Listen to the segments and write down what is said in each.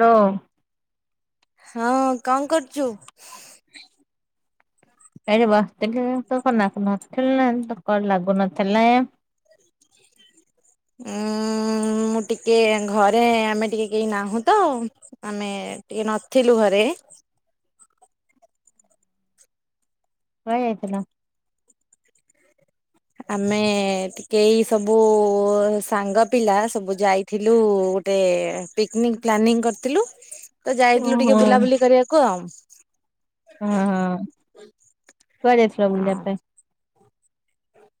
ଲୋ ହଁ କଣ କରଚୁ? ଏଇଠି ବସିଥିଲି ତୋର କଣ ନାଗୁନଥୁଲା ତ କଲ ଲାଗୁନଥିଲା। ଉଁ ମୁଁ ଟିକେ ଘରେ ଆମେ ଟିକେ କେହି ନାହୁଁ ତ ଆମେ ଟିକେ ନଥିଲୁ ଘରେ କୁଆଡ଼େ ଯାଇଥିଲ? ଆମେ ଟିକେ ଏଇ ସବୁ ସାଙ୍ଗ ପିଲା ସବୁ ଯାଇ ଥିଲୁ ଗୋଟେ ପିକନିକ ପ୍ଲାନିଂ କରିଥିଲୁ। ତ ଯାଇଥିଲୁ ଟିକେ ଓହୋ। ବୁଲାବୁଲି କରିବାକୁ ଆଉ। ହଁ ହଁ କୁଆଡ଼େ ଯାଇଥିଳ ବୁଲିବା ହଁ ପାଇଁ?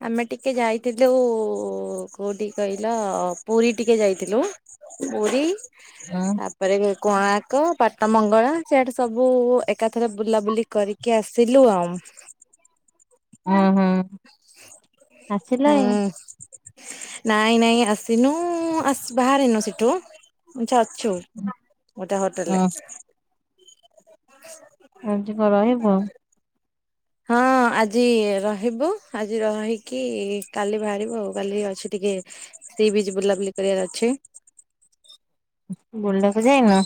ଆମେ ଟିକେ ଯାଇଥିଲୁ କୋଉଠି କହିଲ ପୁରୀ ଟିକେ ଯାଇଥିଲୁ। ପୁରୀ ଉଁ ତା ପରେ ବି କୋଣାର୍କ, ବାଟ ମଙ୍ଗଳା ସିଆଡେ ସବୁ ଏକାଥରେ ବୁଲାବୁଲି କରି କି ଆସିଲୁ ଆଉ। ଅହଁ। ହୁଁ। ନାଇଁ ନାଇଁ ଆସିନୁ ଆସି ବାହାରିନୁ ସେଠୁ ଏଠି ଅଛୁ ଗୋଟେ ହୋଟେଲରେ। ହଁ। ଆଜିବ ରହିବ। ହଁ। ହଁ ଆଜି ରହିବୁ। ଆଜି ରହିକି କାଲି ବାହାରିବୁ ଆଉ କାଲି ଅଛି ଟିକେ ସିଏବି ଆଜି ବୁଲାବୁଲି କରିବାର ଅଛି। ବୁଲିବାକୁ ଯାଇନ?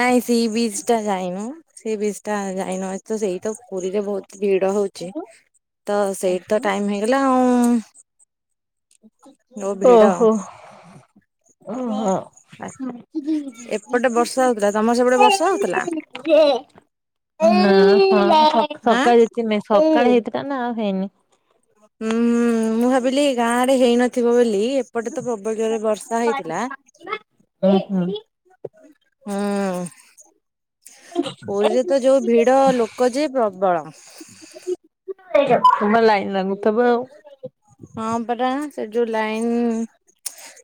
ନାଇଁ ସି ବିଚ ଟା ଯାଇନୁ। ସି ବିଜ ଟା ଯାଇନୁ ହତ ସେଇ ତ ପୁରୀରେ ବହୁତ ଭିଡ ହଉଛି। ଚି ତ ସେଇଠି ତ ଟାଇମ୍ ହେଇଗଲା ଆଉ। ଯୋଉ ଭିଡ ଓହୋ। ଓହୋ। ଏପଟେ [unintelligible] ବର୍ଷା ହଉଥିଲା ତମର ସେପଟେ ବର୍ଷା ହଉଥିଲା ତା ନା ଆଁ ଆଉ ହେଇନି। ହୁଁଁ ମୁଁ ଭାବିଲି। ଗାଁ ଆଡେ ହେଇନଥିବ ବୋଲି ଏପଟେ ତ ପ୍ରବଳ ଜରେ ବର୍ଷା ହେଇଥିଲା। ଉଁ ହୁଁ। ହୁଁ। ପୁରୀରେ ତ ଯୋଉ ଭିଡ ଲୋକ ଯେ ପ୍ରବଳ। ଲାଇନ ଲାଗୁଥିବ ଆଉ। ହଁ ପରା ସେ ଯୋଉ ଲାଇନ୍।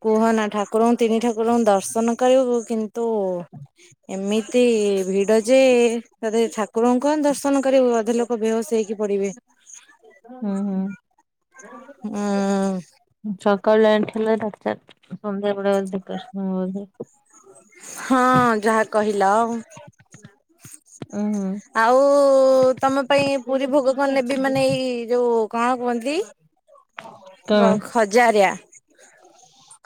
କୁହ ନା ଠାକୁରଙ୍କୁ ତିନି ଠାକୁରଙ୍କୁ ଦର୍ଶନ କରିବ କିନ୍ତୁ ଏମିତି ଭିଡ ଯେ ତତେ ଠାକୁରଙ୍କୁ ଦର୍ଶନ କରିବୁ ଅଧା ଲୋକ ଲୋକ ବେହୋସ୍‌ ହେଇକି ପଡିବେ। ହୁଁ ହୁଁ। ହୁଁ। ସକାଳେ ଲାଇଟ୍ ଥିଲା ରାତି ଚାରିଟା। ସନ୍ଧ୍ୟା ବଳେ ଦୁଃଖ ସୁଖ ହୁଅନ୍ତି। ହଁ ଯାହା କହିଲ। ଉଁ ହୁଁ। ଆଉ ତମ ପାଇଁ ପୁରୀ ଭୋଗ କଣ ନେବି ମାନେ ଏଇ ଯୋଉ କଣ କୁହନ୍ତି। କଣ ଗଖ। ଖଜାରିଆ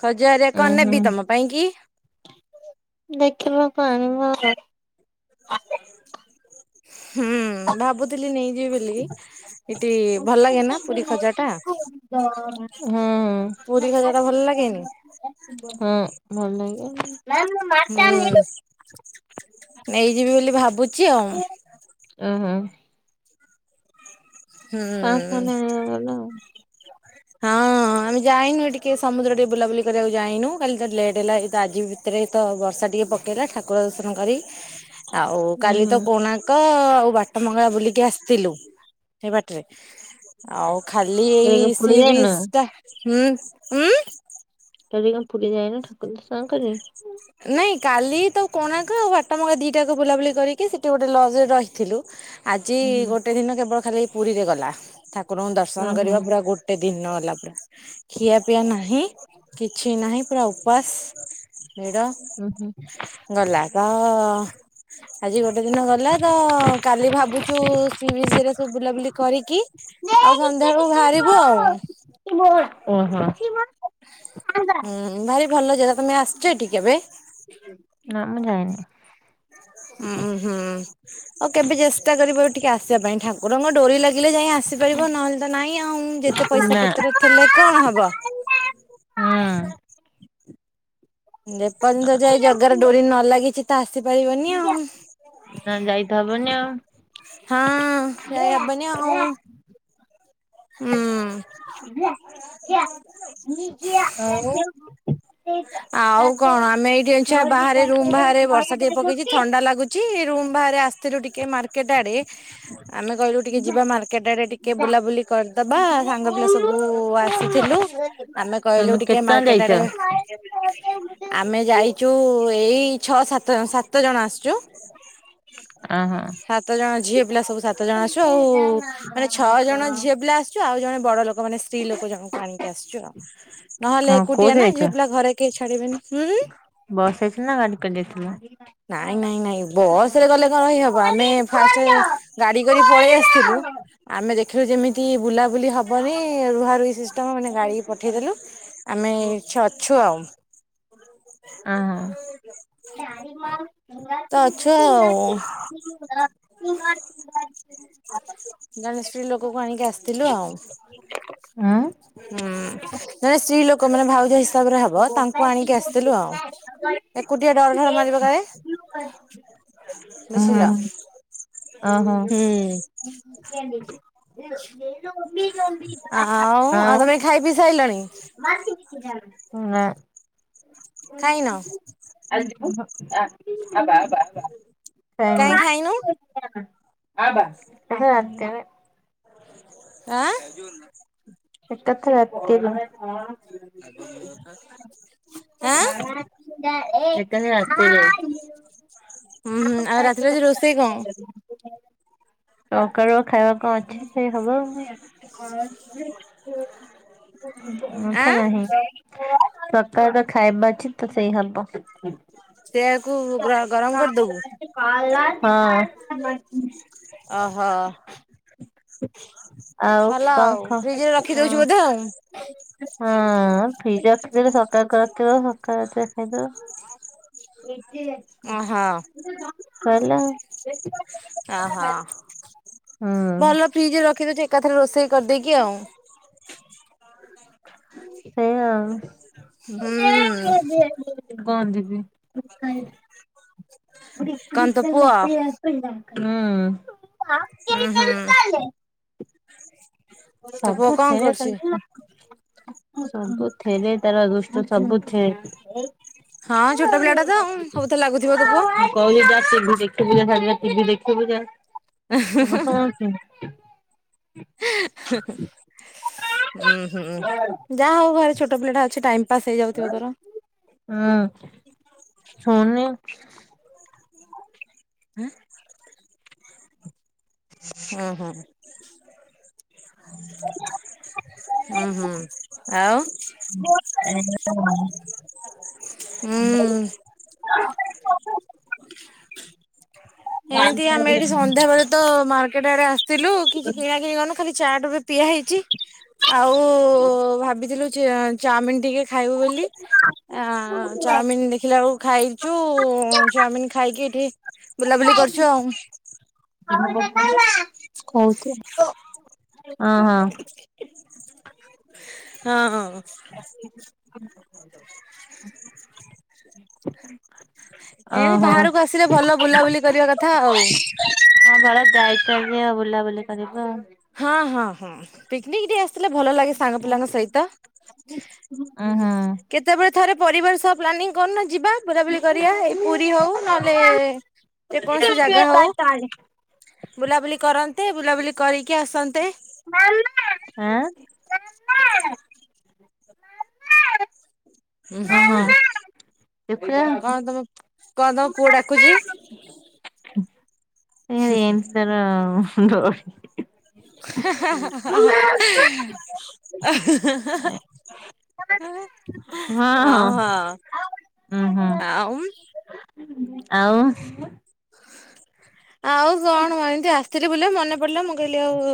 ଖଜାରିଆ କଣ ନେବି ତମ ପାଇଁ କି? ଦେଖିଲ ପାଣି। ହୁଁ ଭାବୁଥିଲି ନେଇଯିବି ବୋଲି। ଏଠି ଭଲ ଲାଗେ ନା ପୁରୀ ଖଜା ଟା? ଦ ପୁରୀ ଖଜା ଟା ଭଲ ଲାଗେନି? ହଁ ଭଲ ଲାଗେ। ହୁଁ ନେଇଯିବି ବୋଲି ଭାବୁଛି ଆଉ। ଉଁ ହୁଁ। ହୁଁ [unintelligible] ହଁ ଆମେ ଯାଇନୁ ଏ ଟିକେ ସମୁଦ୍ର ଟିକେ ବୁଲାବୁଲି କରିବାକୁ ଯାଇନୁ କାଲି ତ ଲେଟ୍ ହେଲା। ଏ ତ ଆଜିିବି ସେଥିରେ ତ ବର୍ଷା ଟିକେ ପକେଇଲା ଠାକୁର ଦର୍ଶନ କରି ଆଉ ଉଁ କାଲି ହୁଁ ତ କୋଣା କ ଆଉ ବାଟ ମଙ୍ଗଳା ବୁଲିକି ଆସିଥିଲୁ ସେଇ ବାଟରେ। ଆଉ ଖାଲି କାଲି ଏଇ କଣ ପୁରୀ ସି ଯାଇନ ବିଶ ଟା ହୁଁ ଉଁ ଉଁ। [unintelligible] ନାଇଁ କାଲି ତ କୋଣାର୍କ ଆଉ ବାଟ ମଙ୍ଗଳା ଦିଟାକୁ ବୁଲାବୁଲି କରିକି ସେଠି ଗୋଟେ ଲଜରେ ରହିଥିଲୁ। ଆଜି ଓହୋ ଗୋଟେ ଦିନ କେବଳ ଖାଲି ପୁରୀରେ ଗଲା। ଠାକୁରଙ୍କୁ ଦର୍ଶନ ଓହୋ କରିବା ପୁରା ଗୋ ଗୋଟେ ଦିନ ହେଲା ପୁରା ଖିଆ ପିଆ ନାହିଁ କିଛି ନାହିଁ ପୁରା ଉପାସ। ଭିଡ଼ ଗଲା ତ। ଆଜି ଗୋଟେ ଦିନ ଗଲା ତ କାଲି ଭାବୁଛୁ ସି ବିଚ୍ ରେ ସବୁ ବୁଲାବୁଲି କରିକି ଆଉ ସନ୍ଧ୍ୟାଏଳକୁ ବାହାରିବୁ ଆଉ। ଓ ହଁ। ହୁଁ ଭାରି ଭଲ ଜାରା ତମେ ଆସିଛ ଏଠିକି କେବେ? ନା ମୁଁ ଯାଇନୁ। ଉ ହୁଁ। ଆଉ କେବେ ଚେଷ୍ଟା କରିବ ଏଠିକି ଆସିବା ପାଇଁ ଠାକୁରଙ୍କ ଡୋରି ଲାଗିଲେ ଯାଇ ଆସିପାରିବ ନହେଲେ ତ ନାଇଁ ଆଉ ଯେତେ ତେ ପଇସା ନା ପତ୍ର ଥିଲେ କଣ ହବ? ହଁ। ଯେପର୍ଯ୍ୟନ୍ତ ଯାଇ ଜଗାର ଡୋରି ନ ଲାଗିଛି ତ ଆସିପାରିବନି ଆଉ। ନା ଯାଇଥ ହବ ନା। ହଁ ଯାଇ ହବନି ଆଉ। ହୁଁ ଆଉ। ଆଉ କଣ ଆମେ ଏଇଠି ଏଛେ ବାହାରେ ରୁମ ବାହାରେ ବର୍ଷା ଟିକେ ପକେଇଚି ଥଣ୍ଡା ଲାଗୁ ଚି ରୁମ ବାହାରେ ଆସିଥିଲୁ ଟିକେ ମାର୍କେଟ ଆଡେ। ଆମେ କହିଲୁ ଟିକେ ଯିବା ମାର୍କେଟ ଆଡେ ଟିକେ ବୁଲାବୁଲି କରିଦବା ସାଙ୍ଗ ପିଲା ସବୁ ଆସିଥିଲୁ। ଆମେ ତମେ କହିଲୁ କେତେ ଟିକେ ଜଣ ମାର୍କେଟ ଯାଇଛ? ଆଡେ। ଆମେ ଯାଇଛୁ ଏଇ ଛଅ ସାତ ସାତ ଜଣ ଆସିଛୁ। ଅ ହଁ। ସାତ ଜଣ ଝିଅ ପିଲା ସବୁ ସାତ ଜଣ ଆସୁ ଆଉ ମାନେ ଛଅ ଜଣ ଝିଅ ପିଲା ଆସିଛୁ ଆଉ ଜଣେ ବଡ ଲୋକ ମାନେ ସ୍ତ୍ରୀ ଲୋକ ଜଣଙ୍କୁ ଆଣିକି ଆସିଛୁ ଆଉ। ନହେଲେ ହଁ ଏକୁଟିଆ ନା ଝିଅ ପିଲା ଘରେ କେହି ଛାଡିବେନି ଉଁ। ବସ [unintelligible] ନା ଗାଡି କରି ଯାଇଥିଲ ନାଇଁ ନାଇଁ ନାଇଁ ବସ ରେ ଗଲେ କଣ ହେଇ ହବ ଆମେ ଫାଷ୍ଟେ ଗାଡି କରି ପଳେଇ ଆସଥିଲୁ ଆମେ ଦେଖିଲୁ ଯେମି ତୀ ବୁଲାବୁଲି ହବନି ରୁହା ରୁହି ସିଷ୍ଟମ ମାନେ ଗାଡି ପଠେଇଦେଲୁ। ଆମେ ଛ ଅଛୁ ଆଉ। ଅ ହ। ତ ଅଛୁ ଆଉ [unintelligible] ଜଣେ ସ୍ତ୍ରୀ ଲୋକକୁ ଆଣିକି ଆସିଥିଲୁ ଆଉ ହୁଁ। ଉଁ ଜଣେ ସ୍ତ୍ରୀ ଲୋକ ମାନେ ଭାଉଜ ହିସାବରେ ହବ ତାଙ୍କୁ ଆଣିକି ଆସିଥିଲୁ ଆଉ। ଏକୁଟିଆ ଡଢ଼ ମାରିବ କାଳେ ବୁଝିଲ। ହୁଁ। ଓ ଆଉ ଆଉ ତମେ ଖାଇ ପିଇ ହୋ। ସାଇଲଣି ଆଉ। ଖାଇନ ନା। କାଇଁ ଖାଇନୁ? ହଁ। [unintelligible] ଆଁ। ଏକଥରେ ରାତିରେ। [unintelligible] ଆଁ ଏକାଥରେ ରାତିରେ। ହୁଁ ହୁଁ ଆଉ ରାତିରେ ଆଜି ରୋଷେଇ କଣ? ସକାଳ ଖାଇବା କଣ ଅଛି ସେଇ ହବ। ନାହିଁ। ସକାଳର ଆଁ ଖାଇବା ଅଛି ତ ସେଇ ହବ। ସେୟା କୁ ଗ ଗରମ କରିଦବୁ। ହଁ। [inaudible] ଓହୋ ଆଉ ଭଲ କଣ ଆଉ ଖ ଫ୍ରିଜ ରେ ହଁ। ରଖିଦଉଛୁ ବୋଧେ ଆଉ। ହଁ ଫ୍ରିଜରେ ରଖି ଦେଲେ ସକାଳ କର କେବଳ ସକାଳ ତ ଖାଇଦବ। ଓହୋ। ସଇଲା ଆଉ। ଆହ ଭଲ ଫ୍ରିଜରେ ରଖିଦଉଚ। ଏକାଥରେ ରୋଷେଇ କରିଦେଇକି ଆଉ। ସେଇଆ ଆଉ। ହୁଁ କଣ ଦେବି? ଉଁ। କଣ ତୋ ପୁଅ ଉଁ ହୁଁ। ତୋ ପୁଅ ସବୁ କଣ ଥେରେ କରୁଛି? ତାର ତ୍ ସବୁ ଥେରେ ତାର ଦୁଷ୍ଟ ସବୁ ଥେରେ। ହଁ ଛୋଟ ପିଲା ଟା ତ ଆଉ ସବୁଥେରେ ଲାଗୁଥିବ ତ ପୁଅ। କହିଲି ଯା ଟି ଭି ଦେଖିବୁ ଯା ସାଡେ ଯା ଟି ଭି ଦେଖିବୁ ଯା ସେ କଣ ଶୁଣଉଚି। ଉଁ ହୁଁ ଯାହା ହଉ ଘରେ ଛୋଟ ପିଲା ଟା ଅଛି। ଟାଇମ ପାସ୍ ହେଇଯାଉଥିବ ତୋର। ହୁଁ ଫୁନି ଆଁ? ଉଁ ହୁଁ। [unintelligible] ଉଁ ହୁଁ ଆଉ ହଁ। ଉଁ। ଏଁନ୍ତି ଆମେ ଏଠି ସନ୍ଧ୍ୟା ବେଳେ ତ ମାର୍କେଟ ଆଡରେ ଆସିଥିଲୁ। କିଛି କିଣା କିଣି କରିନୁ ଖାଲି ଚା ବି ପିଆ ହେଇଚି। ଆଉ ଭାବିଥିଲୁ ଚି ଚାଉମିନ ଟିକେ ଖାଇବୁ ବୋଲି। ଆ ଚାଉମିିନ ଦେଖିଲା ବେଳକୁ ଖାଇଛୁ ଚାଉମିିନ ଖାଇକି ଏଠି ବୁଲାବୁଲି କରୁଚୁ ଆଉ। ଅ ହଁ। ହଁ। ା [unintelligible] ଏଁତି ଓହୋ ବାହାରକୁ ହଁ ଆସିଲେ ଭଲ ବୁଲାବୁଲି କରିବା କଥା ଆଉ। ହଁ ଭଲ ଯାଇଚ ଯେ ଆଉ ବୁଲାବୁଲି କରିବୁ ଆଉ। ହଁ ହଁ ହୁଁ ପିକନିକ ଟିକେ ଆସଥିଲେ ଭଲ ଲାଗେ ସାଙ୍ଗ ପିଲାଙ୍କ ସହିତ। ଉଁ ଉଁ ହୁଁ। କେତେବେଳେ ଥରେ ପରିବାର ସହ ପ୍ଲାନିଂ କରୁନ ଯିବା। ବୁଲାବୁଲି କରିବା ଏଇ ପୁରୀ ହଉ ନହେଲେ ଯେକୌଣସି ଜାଗା ହଉ। ବୁଲାବୁଲି କରନ୍ତେ ବୁଲାବୁଲି କରିକି ଆସନ୍ତେ। ଆଁ? ଉଁ ହୁଁ ଦେଖିଲ କଣ ତମ କଣ ତମ ପୁଅ ଡାକୁଚି? ରେ ଏଁତି ତାର ଡରି ହେ ହେ ହେ ହେ ହା। ଏଁ ହଁ ହଁ ଆ ଉଁ ହାଁ ହୁଁ ଆଉ। ଆଉ ଆଉ କଣ ମ ଏମିତି ଆସିଥିଲି ବୋଲି ମନେ ପଡ଼ିଲା ମୁଁ କହିଲି ଆଉ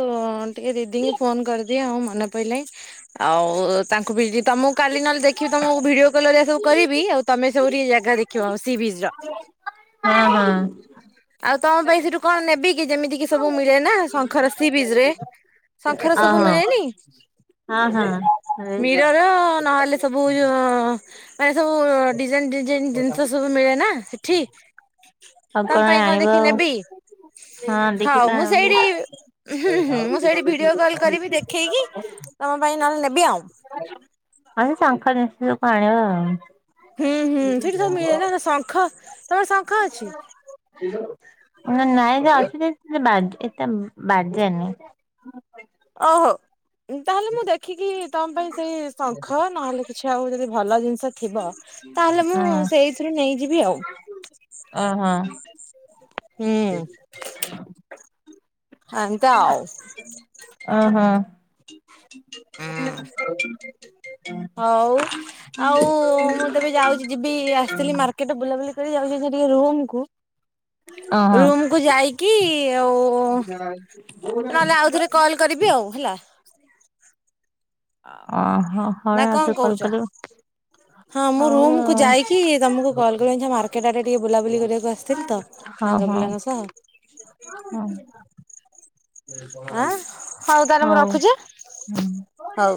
ଟିକେ ଦିଦିଙ୍କୁ ଫୋନ କରିଦିଏ ଆଉ ମନେ ପଇଲାଇଁ ଆଉ ତାଙ୍କୁ ବି ତମକୁ କାଲି ନହେଲେ ଦେଖିବି ତମକୁ ଭିଡିଓ କଲ ହରିକା ସବୁ କରିବି। ଆଉ ତମେ ସବୁ ଟିକେ ଜାଗା ଦେଖିବ ସି ବିଚ୍ ର। ହଁ ହଁ। ଆଉ ତମ ପାଇଁ ସେଠୁ କଣ ନେବି କି ଯେମିତି କି ସବୁ ମିଳେ ନା ଶଙ୍ଖର ସି ବିଚ୍ ରେ। ଶଙ୍ଖର ସବୁ ଓହୋ ମିଳେନି ହଁ ହଁ ମୀରର ନହେଲେ ସବୁ ଏଇ ଅ ମାନେ ସବୁ ଡିଜାଇନ ଡିଜାଇନ ଜିନିଷ ସବୁ ମିଳେ ନା ସେଠି? ଆଉ ତମ ପାଇଁ କଣ ଆଣିବ ଦେଖି ଆଉ। ନେବି? ହଁ ଦେଖି ହଉ କଣ ମୁଁ ସେଇଠି ହୁଁ ହୁଁ ମୁଁ ସେଇଠି ଭିଡିଓ କଲ କରିବି ଦେଖେଇକି ତମ ପାଇଁ ନହେଲେ ନେବି ଆଉ। ହଁ ସେଇ ଶଙ୍ଖ ଜିନିଷ ସବୁ ଆଣିବ ଆଉ। ହୁଁ ହୁଁ ସେଇଠି ସବୁ ମିଳେ ନା ନା ଶଙ୍ଖ। ତମର ଶଙ୍ଖ ଅଛି? ନା ନାଇଁ ଯେ ଅଛି ଯେ [unintelligible] ବାଜେ ଏତେ ଉଁ ବାଜେନି। ଓହୋ। ତାହେଲେ ମୁଁ ଦେଖିକି ତମ ପାଇଁ ସେଇ ଶଙ୍ଖ ନହେଲେ କିଛି ଆଉ ଯଦି ଭଲ ଜିନିଷ ଥିବ ତାହେଲେ ମୁଁ ହଁ। ସେଇଥିରୁ ନେଇଯିବି ଆଉ। ଓହୋ। ହୁଁ ଏମିତି ଆଉ। [inaudible] ଓହୋ। ହଉ। ଆଉ ମୁଁ ତେବେ ଯାଉଛି [unintelligible] ଯିବି ଆସିଥିଲି ମାର୍କେଟ ବୁଲାବୁଲି କରି ଯାଉଛି ଅଇଖା ଟିକେ ରୁମକୁ। ଓହୋ। ରୁମକୁୁ ଯାଇକି ଆଉ ନହେଲେ ଆଉଥରେ କଲ୍ କରିବି ଆଉ ହେଲା। ଓହୋ ହଁ ହଉ ନା ନହେଲେ କଣ ଆଉଥରେ କଲ୍ କହୁଛ? କରିବ। ହଁ ମୁଁ ହଉ ରୁମକୁୁ ଆଉ। ଯାଇକି ତମୁକୁ କଲ୍ କରିବି। ଅଇଛା ମାର୍କେଟ ଆଡେ ଟିକେ ବୁଲାବୁଲି କରିବାକୁ ଆସିଥିଲି ତ। ହଁ ସାଙ୍ଗ ହଁ ପିଲାଙ୍କ ସହ ହଉ। ଆଁ ତାହେଲେ ମୁଁ ହଉ ରଖୁଛି। ହୁଁ। ହଉ।